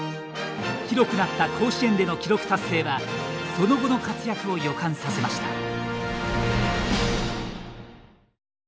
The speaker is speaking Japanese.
広くなった甲子園での記録達成はその後の活躍を予感させました。